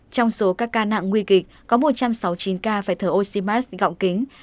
trong số các ca nặng nguy kịch có một trăm sáu mươi chín ca phải thở oxymasc gọng kính